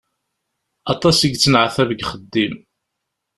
Aṭas i yettneɛtab deg uxeddim.